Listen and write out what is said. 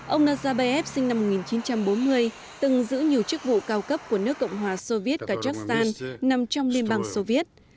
ông nazarbayev sinh năm một nghìn chín trăm bốn mươi từng giữ nhiều chức vụ cao cấp của nước cộng hòa soviet kazakhstan nằm trong liên bang soviet